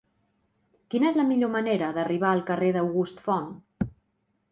Quina és la millor manera d'arribar al carrer d'August Font?